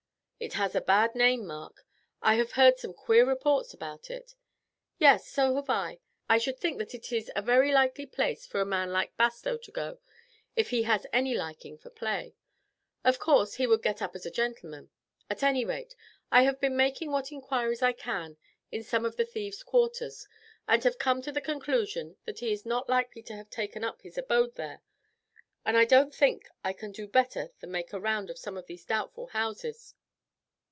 "It has a bad name, Mark; I have heard some queer reports about it." "Yes, so have I. I should think that it is a very likely place for a man like Bastow to go to if he has any liking for play. Of course he would get up as a gentleman. At any rate, I have been making what inquiries I can in some of the thieves' quarters, and have come to the conclusion that he is not likely to have taken up his abode there, and I don't think I can do better than make a round of some of these doubtful houses.